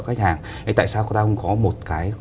khách hàng tại sao có một cái